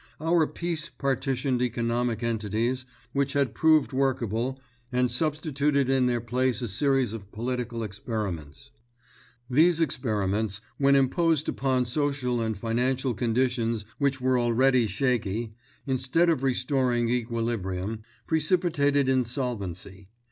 Our Peace partitioned economic entities, which had proved workable, and substituted in their place a series of political experiments. These experiments, when imposed upon social and financial conditions which were already shaky, instead of restoring equilibrium, precipitated insolvency.